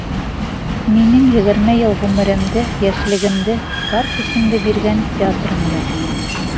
Минең егерме йыл ғүмеремде, йәшлегемде, бар көсөмдө биргән театрымды!